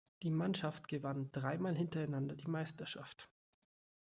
Die Mannschaft gewann dreimal hintereinander die Meisterschaft.